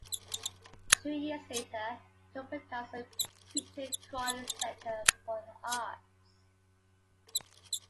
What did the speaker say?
Two years later, it opened as the Peter Crawley Centre for the Arts.